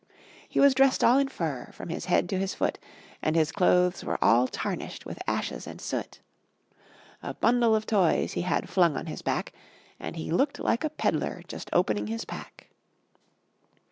He was dressed all in fur, from his head to his foot, And his clothes were all tarnished with ashes and soot; A bundle of Toys he had flung on his back, And he looked like a peddler just opening his pack.